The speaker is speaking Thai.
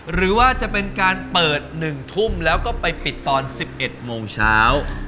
หรือว่าจะเป็นการเปิด๑ทุ่มแล้วก็ไปปิดตอน๑๑โมงเช้า